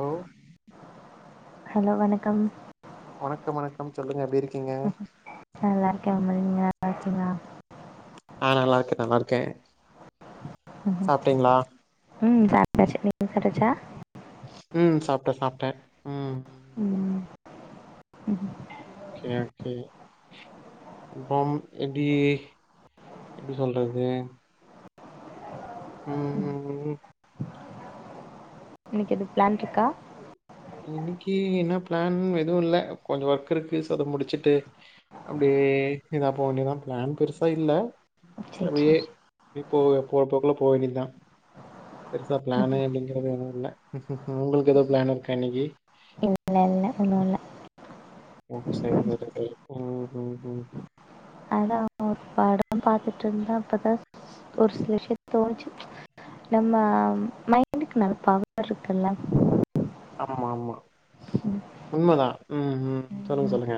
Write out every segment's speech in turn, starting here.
Hello hello வணக்கம் வணக்கம் வணக்கம் சொல்லுங்க எப்டி இருக்கிங்க நல்லாருக்கேமா நீங்க நல்லாருக்கிங்ளா ஆ நல்லாருக்கே நல்லாருக்கே ம்ஹும். சாப்ட்டிங்ளா ம் சாப்ட்டாச்சு நீங்க சாப்டாச்சா உம் சாப்ட சாப்ட உம் உம் உம் கேகே அப்றோம் எப்டி எப்டி சொல்றது ம் ம் இன்னக்கு எது பிளான் இருக்கா இன்னிக்கு என்ன பிளான் எதுவு இல்ல கொஞ்சோ ஒர்க் இருக்கு சோ அத முடிச்சுட்டு அப்டியே ஏதா போ வேண்டிதா பிளான் பெருசா இல்ல சரி செர் செரி அப்டியே இப்போ போறபோக்குள்ள போகவேண்டிதா பெருசா பிளானு அப்டிங்கறது எது இல்ல உங்களுக்கு ஏதோ பிளான் இருக்கு கணிக்கி இல்ல இல்ல ஒன்னும் இல்ல செரி செரி உம் உம் உம் அதான் ஒரு படம் பாத்துட்டு இருந்தா அப்போதா ஒரு சில விஷயத் தோணுச்சு நம்ம மைண்டுக்கு நல்ல பவர் இருக்குல்ல ஆமா ஆமா ம் உண்மதா ம் ம் சொல்லுங்க சொல்லுங்க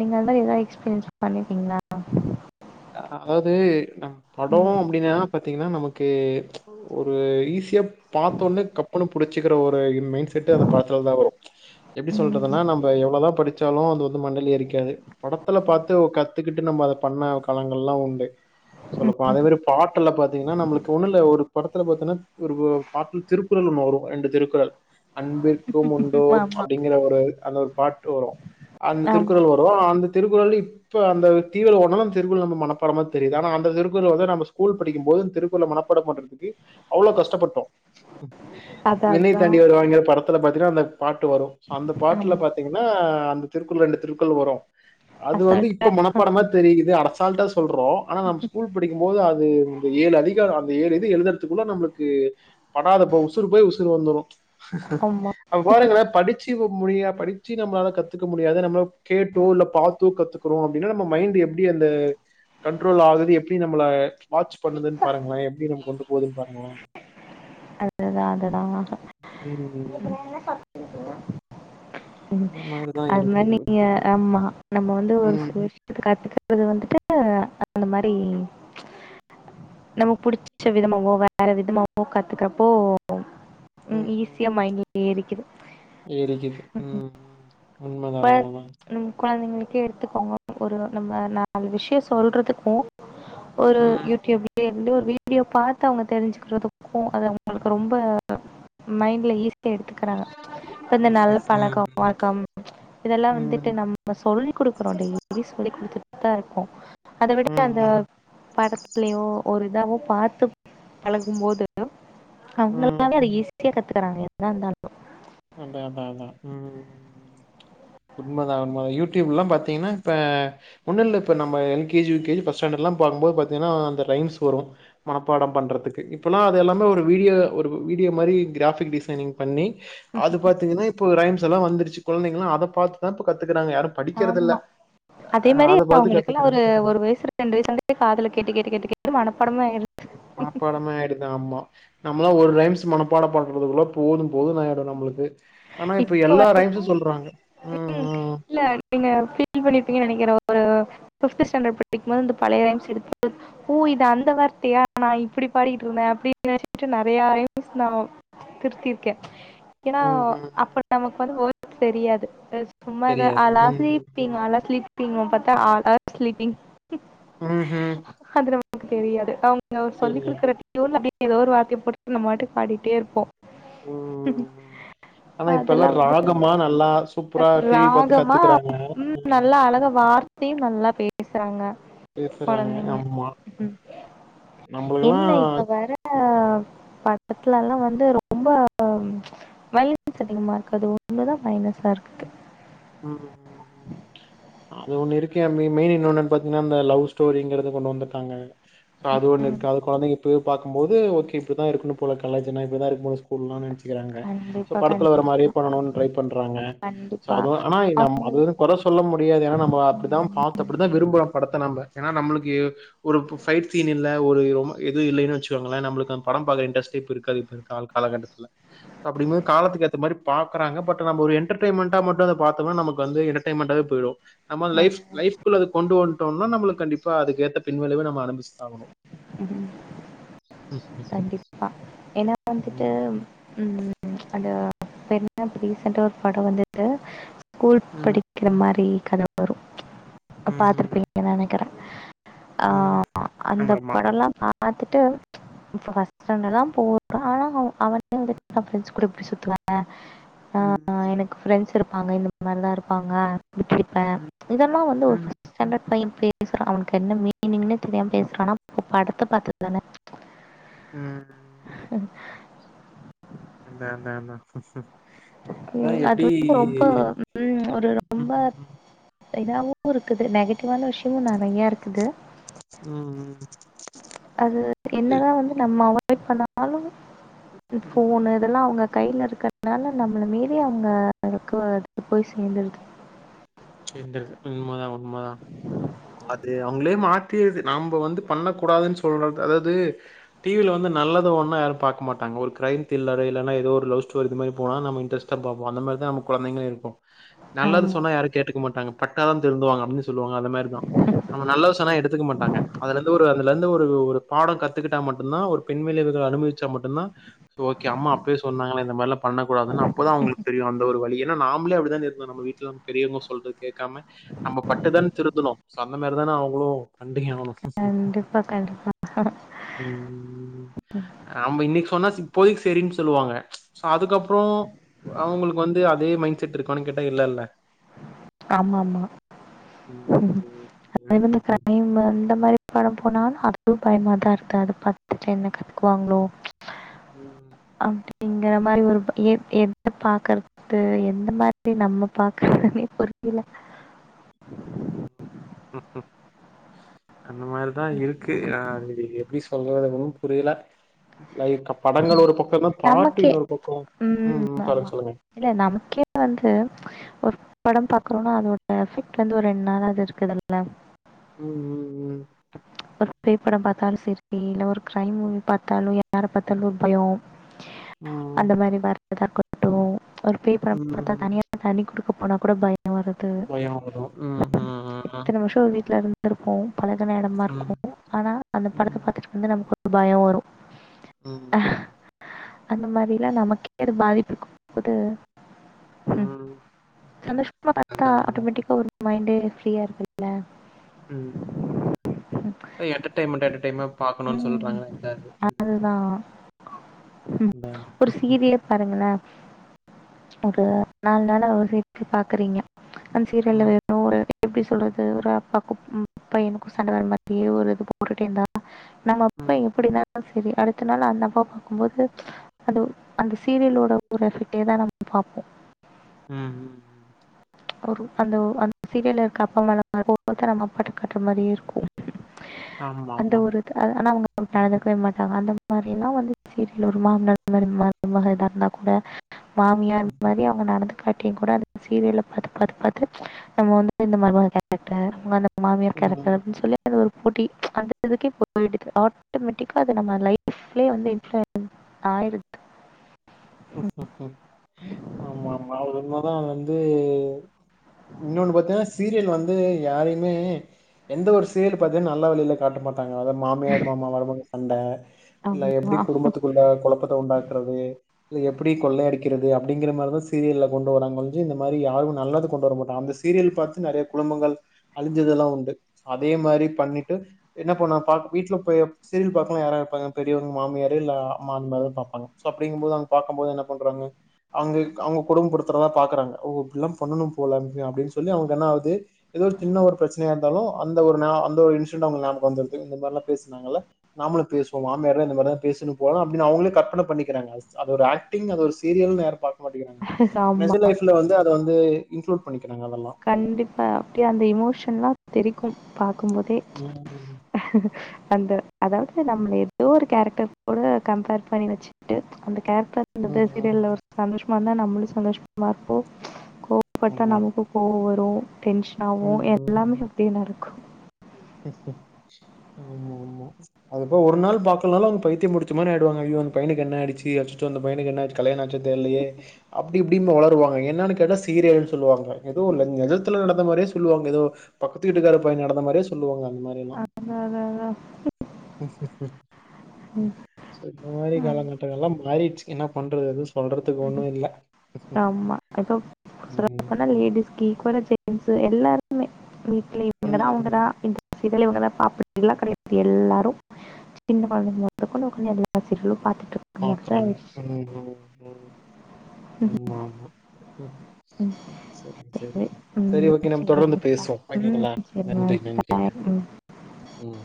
நீங்கள அந்த மாரி ஏதாவது எக்ஸ்பீரியன்ஸ் பண்ணிருக்கீங்களா அதாது படோ ம், அப்டின பாத்தீங்கனா நமக்கு ஒரு ஈஸியா பாத்தோன்னு கப்பனு பிடிச்சிக்கிற ஒரு மைண்ட் செட் அத படத்த தா வரோ எப்டி ம். சொல்றதுன நம்ப எவ்ளோ தா படித் சாலோ அது வந்து மண்டைல ஏறிக்காது படத்துல பார்த்து கத்துக்கிட்டு நம்ம அதை பண்ண பலங்கள்லா உண்டு சொல்லப்போ அத மாரி பாட்டு படத்துல பாத்தீங்கனா நம்ளுக்கு ஒண்ணும் இல்ல ஒரு படத்துல பாத்தீங்கன்னா ஒரு பாட்ட திருக்குறள் ஒண்ணு வரோ ரெண்டு திருக்குறள் அன்பிற் க்கும் உண்டோ ஆமா ஆமா அப்டிங்கிற ஒரு அந்த ஒரு பாட்டு வறோ அந்த ஆமா திருக்குறள் வரோ அந்த திருக்குறள் இப்ப அந்த தீவிர ஒன்னோ திருவுள் நம்ம மனப்பாடமா தெரிது ஆனா அந்த திருகுறள் நம்ம ஸ்கூல் படிக்கும் போது அந்த திருகுறள் மனப்பாடம் பண்றதுகு அவ்ளோ கஷ்டப்பட்டோ அதான் அதான் வினைய்தாண்டி வருவாயாங்கிற படத்துல பாத்தீங்கனா அந்த பாட்டு வரோ அந்த பாட்டுல ஆமா பாத்தீங்கனா அந்த திருக்குள் ரெண்டு திருக்குள் வரோ அது வந்து அசால்ட்டா இப்ப மனப்பாடமா தெரியுது அர அசால்டா சொல்றோ ஆனா நம் ஸ்கூல் படிக்கும் போது அது ஏழு அதிகரோ அந்த ஏழு இது எலுதுறதுக்குள்ள நம்மளுக்கு படாதப்ப உசுறு போய் உசுறு வந்துடோ ஆமா அ பாருங்கல படிச்சு முடியா படிச்சு நம்மளால கத்துக்க முடியாது நம்மள கேட்டோ இல்ல பாத் தூ கத்துக்கிறோ அப்படின்னா நம்ம மைண்ட் எப்டி அந்த கண்ட்ரோல் ஆகுது எப்டி நம்மள வாட்ச் பண்ணுதுன்னு பாருங்கள எப்டி நம்ம கொண்டு போதுன் பாருங்களே அதுதா அதுதா ம். இப்ப நா எனன [inaudible] அந்த மாரி தான் அது இருக்கு. மாரி நீங்க ஆமா நம்ம வந்து ஒரு ம். சில விஷயத்த கத்துக்கறது வந்துட்டு அந்த மாரி நமக்கு புடிச்ச விதமாவோ வேற விதமாவோ கத் த்துக்கிறப்போ உம் ஈசியா மைன்ட்ல ஏறிக்குது ஏரிக்குது உம் உண்மதா இப்ப உண்மதா நம்ம கொழந்தைங்களுக்கே எடுத்துக்கோங்க ஒரு நம்ம நாலு விஷயொ சொல்றதுக்கு ஒரு ம். யூடியூப்பி லேருந்து ஒரு வீடியோ பாத்து அவங்க தெரிஞ்சுக்கிறதுக் கு அது அவங்களுக்கு ரொம்ப மைண்ட்ல ஈஸி கே எடுத்துக்கறாங்க இப்ப இந்த நல்ல ம். பழக்கம் வழக்கம் இதெல்லா ம். வந்துட்டு ம். நம்ம சொல்லி குடுக்கறோ டெய்லி சொல்லி கொடுத்து ட்டா இருக்கு அதவிட அந்த ம். படத்துலயோ ஒரு அத அவ பாத்து பழகும்போது ஹலோ ம் அவங்களாலே அத ஈஸி ஸியா கத்துக்கறாங்க எதா இருந்தாலு அந்த அத அதா உஹ் ம் ம் ம் உண்மதா உண்மதா யூடியூப்ல்லா பாத்தீங்கன்னா இப்ப ஒன்னுல்ல இப்ப நம்ம L K G U K G பஸ்டாண்டர்ட்ல்லா பாக்கும்போது பாத்தீங்கன்னா அந்த ரைம்ஸ் வரு மனப்பாடம் பண்றதுக்கு இப்பல்லா அது எல்லாமே ஒரு வீடியோ ஒரு வீடியோ மாரி கிராபிக் டிசைனிங் பண்ணி அது பாத்தீங்கன்னா இப்ப ரைம்ஸ் ஸெல்லா வந்துருச்சு கொழந்தைங்கள்ளா அத பாத்துத்தா இப்ப கத்துக் ஆமா அதே மாரி அத பாத்து அவங்களுக்கெல்லா கத்துக்குறாங்க ஒரு ஒரு வயசு ரெண்டு வயசுலருந்தே காதுல கேட்டு கேட்டு கேட்டு கேட் டு மனப்பாடமே ஆயிரு மனப்பாடமே ஆயிடுது ஆமா நம்மள்ளா ஒரு ரைம்ஸ் மனப்பாட பண்றதுக்குள்ள போதும் போதுன் ஆயிடு நம்மளுக்கு ஆனா இப்ப இப்போ எல்லா வரைக்கும் ரைம்ஸும் சொல்றாங்க உம் ம் இல்ல நீங்க ஃபீல் பண்ணிருப்பீங்கன்னு நெனைக்கிறேன். ஒரு ஃபிஃப்த் ஸ்டாண்டர்ட் படிக்கும்போது இந்த பழைய ரைம்ஸ் எடுத்து ஓ இது அந்த வார்த்தையா நா இப்படி பாடிட்டு இருந்த அப்படின்னு [inaudible] நெறையா ரைம்ஸ் நா திருத்தியிருக்கே ஏனா ம் ம் ம் அப்ப நமக்கு வந்து ஒரு தெரியாது சும்மா தெரியாது ம் அலாஸ்லிப்பிங்க அல்லா ஸ்லிப் டிம்மு பாத்த ஆல் ஆர் சில்லிபிங் ஹ்ம் உம் உனக்கு தெரியாது அவங் அவர் சொல்லி குடுக்கற டியூன் அப்டேய ஏதோ ஒரு வார்த்தைய போட்டு நம்மபாட்டு பாடிட்டே இருப்போம் உம் ஆனா இப்ப அதெல்லாம் எல்லாம் வந்து ராகமா நல்லா சூப்பரா டிவி பாத்து ராகமா கத்துக்குறாங்க உம் அ நல்லா அழக வார்த்தையும் நல்லா பேசுறாங்க பேசுறாங்க கொழந்தைங்க ஆமா ம் நம்மளுக்கெல்லா என்ன இப்ப வரா ப கிலாம் வந்து ரொம்ப வைரஸ் அதிகமா இருக்கு அது ஒண்ணுதான் மைனஸா இருக்கு உஹம் ம்ம் அது ஒண்ணு இருக்கு மெயின் இன்னொன்னுன்னு பாத்தீங்கன்னா இந்த லவ் ஸ்டோரிங்கறத கொண்டு வந்துடாங்க சோ அது ஒன்னு ம் இருக்கு அது கொழந்தைங்க போய் பாக்கும்போது ஒகே இப்பதான் இருக்கனும் போல கலாஜ்னா இப்படிதான் ஸ்கூல்லாம் நனைச்சு கிறாங்க சோ கண்டிப்பா படத்துல வர மாரி கண்டிப்பா பண்ணணும் ட்ரை பண்றாங்க சோ கண்டிப்பா அதுவும் ஆனா நம்ப அது அவங்களுக்கு குறை சொல்ல முடியாது ஏன்னா நம்ம அப்படிதான் ம் பாத்து அப்படிதான் விரும்புறோம் படத்தை நம்ம ஏன்னா நம்ளுக்கு க்கு ஒரு பைட் சீன் இல்ல ஒரு ரொம இது இல்லன்னு வச்சுகோகளேன் நம்மளுக்கு படம் பாக்கற இன்டெஸ்ட்டே இப்ப இருக்காது இப்ப இருக் கா கால கட்டத்தில அப்படின்னும் போது காலத்து ஏத்த மாரி பாக்கறாங்க பட் நம் ஒரு என்டர்டைமென்டா மட்டும் பாத்தனமோ நமக்கு வந்து எடர்டயன்மெண்டாவவேபோயிடும் நம்ம லைஃப் நல்ல லைஃகுள்ள அத கொண்டுவண் ட்டம்மா நம்ம கண்டிப்பா அதுக்கு ஏத்த பின்னவலைவை நம்ம அனுபவிச்சு தான் ஆகணும் உம் கண்டிப்பா ஏன்னா வந்துட்டு ம். உம் அந்த இப்ப என்ன ரீசண்டா ஒரு படம் வந்துடு ஸ்கூல் ம். படிக்கிற மாரி கத வரும் ச்சு ம்ஹ்ம். பாத்துருப்பீங்கன்னு நினைக்கறேன் ம். அஹ் அந்த ஆமாமா. படம் லாம் ப பாத்துட்டு ச்சு இப்போ ஃபஸ்ட் ஸ்டாண்டர்ட் தான் போறான் ஆன அவ அவனே வந்து அவன் ப்ரண்ட்ஸ் கூட எப்படி சுத்துவாங்க ஆஹ் ம். ஆன் எனக்கு ப்ரெண்ட்ஸ் இருப் பாங்க இந்த மாரி தான் இருப்பாங்க விட்டுடிருப்பேன் ம். இதெல்லாம் வந்து ம். ஒரு [unintelligible] பையன் பேசுறான் அவனுக்கு என்ன மீனிங்ன்னு தெரியாம பேசுறான்னா படத்த பாத்துதானே ம். அந்த அந்த அந்த உஹ் உஹ் ஐயோ அது வந்து ரொம்ப உம் ஒரு ம் ரொம்ப ம் இதாவும் இருக்குது நெகட்டிவ்வான விஷயமும் நிறையா இருக்குது ம் அது ம் என்னதா வந்து நம்ம எப்பனாலும் ம் போன இதெல்லா அவங்க கையில இருக்கிறதுனால நம்மள மீறி அவங்க ளுக்கு அது போய் சேந்துருது இந்த உண்மைதா உண்மைதா அது அவங்களே மாத்தியது நம்ம வந்து பண்ணக்கூடாதுன்னு சொல்ற அதாவது டிவியில வந்து நல்லத ஒன்னு யாரு பார்க்க மாட்டாங்க ஒரு கிரைம் தில்லர் இல்லனா ஏதோ ஒரு லவ் ஸ்டோரி இது மாதிரி போனா நம்ம இன்டெரெஸ்ட்டா பாப்போம் அந்த மாரிதான் நம்ம கொழந்தைகளும் இருக்கும் நல்லது ஆமா. சொன்னா யாரு கேட்டுக்க மாட்டாங்க பட்டாதா திருந்துவாங்க அப்டினு சொல்வாங்க அந்த மேரிதா நம்ம நல்லது சொன்னா எடுத்துக்க மாட்டாங்க அதுல இருந்து ஒரு அந்த அதுல இருந்து ஒரு ஒரு பாடம் கத்துக்கிட்டா மட்டும்தா ஒரு பெண் விளைவுகள் அனுபவிச்சா மட்டும்தா ஓக்கோ அம்மா அப்பவே சொன்னாங்க இந்த மாதிரிலா பண்ணக்கூடாதுன்னு அப்போதா அவங்களுக்கு தெரியும் அந்த ஒரு வலிய ஏன்னா நாம்பலே அப்படித்தான் இருந்தோ நம் வீட்டுல பெரியவங்க சொல்லு கேக்காம நம்ம பட்டுதான திருந்துனோ சோ அந்த மாதிரி தான அவங்களும் ங்கி ஆவனு கண்டிப்பா, கண்டிப்பா. நாம இன்னைக்கு சொன்னா போய் செரின்னு சொல்லுவாங்க சோ அதுக்கப்றோ அவங்களுக்கு வந்து அதே மைண்ட் செட் இருக்கானு கேட்டா இல்லல ஆமா ஆமா [inaudible] ம் இந்த ம் கிரைம்மு அந்த மாரி பட போனாலு அதுவு பயமாத [unintelligible] பாத்துட்டு என்ன கத்துக்குவாங்களோ ம் [unintelligible] இங்கன மாரி ஒரு எ எத பாக்கறது எந்த மாதிரி நம்ம பாக்கறதுனே புரி இல்ல அந்த மாரிதா இருக்கு நா இது எப்டி சொல்றது ஒன்னு புரியல லைக் படங்கள் ஒரு பக்கோ இருந்தா பாட்டு நமக்கே இன்னொரு பக்கோ ம் ஆமா இல்ல நமக்கே வந்து ஒரு படம் பாக்குறோனா அதோட எபெக்ட் வந்து ஒரு ரெண்டு நாளாவது இருக்குதுல்ல ம் ம் ம் [unintelligible] பேய் பட பாத்தாலு செரி இல்ல ஒரு கிரைம் மூவி பார்த்தாலு [unintelligible] யார பாத்தாலு ஒரு பயோ ம் அந்த மாரி வர் தாக்கட்டும் ஒரு பேய் படம்பாத்தா தனியா தண்ணிகுடுக்க உனா கூட பய பயம் வந்துரு உம் உம் உம் ஹம் இருப்போம் பல [unintelligible] இடமா இருக்கும் ஆனா அந்த படத்தை பார்த்துட்டு [unintelligible] பயம் வரும் ஹம் அஹ், அந்த மாரிலா நமக்கே அது பாதிப்பு கொடுக்கும்போது ம் சந்தோஷமா அதான், அதான். ஆட்டோமேட்டிக்கா ஒரு மைண்டு ஃப்ரீயா இருக்ல்ல என்டேர்டைன்மெண்ட் என்டேர்டைன்மெண்ட் பாக்கணும்னு ம், சொல்றாங்க அதா அதுதான் ம். இது ஒரு சீரியல் பாருங்களேன் ஒரு நாலு நாள் அவர் [unintelligible] பார்க்குறீங்க அன் சீரல்ல ம். வேணும் ஒரு எப்டி சொல்றது ஒரு அப்பாக்கும் ம் பையனு சண்டை வர மாதிரியே ஒரு இது போட்டுட்டே இருந்தா நம்ம அப்ப ம். எப்படிதான் சரி அடுத்த நாள் அந்த அப்பா பார்க்கும்போது அது அந்த சீரியலோட ஒரு எஃபெக்டேதா நம்ம பாார்ப்போம் உம் உம் உம் ஒரு அந்த அந்த சீரியல இருக்க [unintelligible] நம்ம அப்பாகிட்ட கட்டுற மாதிரியே இருக்கும் அந்த ஆமாமா. ஒரு ஆனா அவங்க நடந்துக்கவே மாட்டாங்க அந்த மாதிரல்லாம் வந்து சீரியல் ஒரு மாமனார் மருமக மக இதா இருந்தா கூட மாமியா அந்த ம். மாரி அவங்க நடந்து காட்டி கூட அந்த சீரியல்ல பாத்து பாத்து பாத்து நம்ம வந்து இந்த மாரி கேரக்ட்டர் [unintelligible] மாமியார் கேரக்டர் ம். அப்டின்னு சொல்லி அது ஒரு போட்டி அந்த இதுக்கே போயிடுது ஆட்டோமேட்டிக்கா அது நம்ம லைஃப்லயே வந்து [unintelligible] ஆயிடுது ம் ம் ம் ஆமா ஆமா [unintelligible] தான் வந்து ஒன்னோனு பத்தே [unintelligible] சீரியல் வந்து யாரையுமே எந்த ஒரு சீரியல் பாத்தீன்னா நல்ல வழியில் காட்ட மாட் அவங்க மாமியார் மாமா வரதங் அந்த இல்ல எப்டி ஆமா குடும்பத்துக்குள்ள கொழப்பத்த உண்டாக்குறது இல்ல எப்படி கொள்ள அடிக்கிறது அப்படிங்கிற மாரிதா சீரியல்ல கொண்டு வராங்க ஒழிஞ்சு இந்த மாரி யாருக்கு நல்லது கொண்டு வர மாட்டோ அந்த சீரியல் பாத்து நிறைய குடும்பங்கள் அழிஞ்சதெல்லா உண்டு அதே மாரி பண்ணிட்டு என்ன பண்ணா பா வீட்ல போய் சீரியல் பாக்கணு யாரா இருப்பாங்க பெரியவங் மாமியாரு இல்ல மாமனாரு பாப்பாங்க சோ அப்டிங்கும்போது அங் பார்க்கும் போது என்ன பண்றாங்க அவங்கள்கு அவங்க கொடும படுத்துறதா பாக்குறாங்க ஓ இப்படிலா பண்ணணு போல அப்டின்னு சொல்லி அவங்க என்ன ஆகுது ஏதோ ஒரு சின்ன ஒரு பிரச்சனையா இருந்தாலு அந்த ஒரு நா அந்த ஒரு இன்சிடென்ட் அவங்களுகு நியாபக வந்துருது இந்த மாதிரிலா பேசினாங்கல்ல நாமளு பேசுவோ மாமியார்னா இந்த மாரிதா பேசனு போல அப்படின்னு அவங்களே கற்பனை பண்ணிக்கிறாங்க அது ஒரு ஆக்டிங் அது ஒரு சீரியல்னு யாரும் பாக் மாட்டிக்கிறாங்க நெஜ ஆமா லைஃப்ல வந்து அத வந்து இன்குலூட் பண்ணிக் கண்டிப்பா அப்டே அந்த எமோஷன்லா தெரி க்கும் பார் குமுதே ம், ம், வந்து அதாவது நம்மள ஏதோ ஒரு கேரக்டர் கூட கம்பேர் பண்ணி வச்சுட்டு வந்து [unintelligible] ம், சீரியல்ல ஒரு சந்தோஷ் வந்தா நம்மளும் சந்தோஷமா இருப்போம் கோவப்பட்டா ஆமா நமக்கு ஒவ்வொரு டென்ஷன் ஆவு ம், எல்லாமே ம். அப்டியே நடக்கு ஆமா ஆமா அதுக்கப்புறம் ஒரு நாள் பாப்பேன் இல்லனா பைத்தியம் புடிச்ச மாரி ஆயுடுவாங்க அய்யோ அந்த பையனுக்கு என்ன ஆயிடுச்சு, அச்சசோ அந்த பையனுக்கு என்னாச்சு கலயாணாச்சா தெர்லயே அப்புடி ப் அடிம வளருவாங்க என்னன்னு கேட்டா சீரியல்ஸ் சொல்லுவாங்க எதோ [unintelligible] பக்கத்ல நடந்த மாதிரே சொல்லுவாங்க ஏதோ பக்கத்து வீட்டுக்கார பயனுகு நடந்தமாதிரியே சொ சொல்லுவாங்கள் அதா அதா அதா அதா அ சரி சரி [inaudible] சோ இந்த மாதிரி ம். காலகட்டங்கல்லாம் மாறிட்டு என்ன பண்றது அது ஆமா இப்ப ம். சொல்லபோனா லேடிஸ்க்கு ஈக்குவலா ஜென்ஸ் எல்லாரு இம்மே வீட்ல இவுங்கதான் ம். அவுங்கதான் இங் இதால இவுங்க தான் பாப்பாங்கல்லா கிடையாது எல்லாரும் சின்னமா கொண்டு எல்லா சீரியலூ பாக்குறாங்க ம் ம் உ ம். ஆமா ஆமா ம். சேரி சேரி‌.. சரி. சேரி ம். ஓகே நாம தொடர்ந்து சரிங்க. பேசுவோம் ம். ஒகேங்களா நன்றி சரிங்க. நன்றிங்க பாய். ம். ம்